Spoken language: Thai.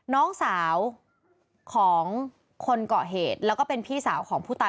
น้องสาวของคนเกาะเหตุแล้วก็เป็นพี่สาวของผู้ตาย